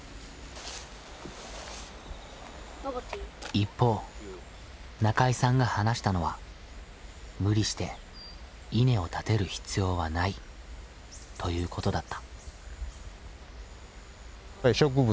一方中井さんが話したのは無理して稲を立てる必要はないということだった。